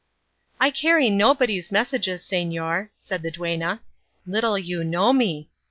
"I carry nobody's messages, señor," said the duenna; "little you know me.